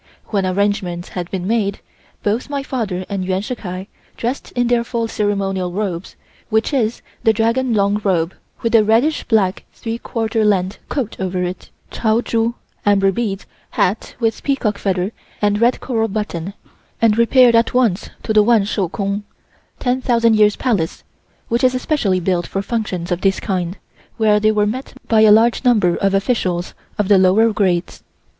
When arrangements had been made, both my father and Yuan Shih Kai dressed in their full ceremonial robes, which is the dragon long robe, with a reddish black three quarter length coat over it, chao chu (amber beads), hat with peacock feather and red coral button, and repaired at once to the Wan Shou Kung (10,000 years palace), which is especially built for functions of this kind, where they were met by a large number of officials of the lower grades.